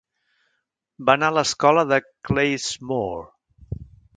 Va anar a l'escola de Clayesmore.